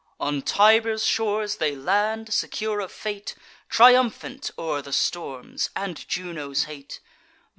On Tiber's shores they land, secure of fate, Triumphant o'er the storms and Juno's hate.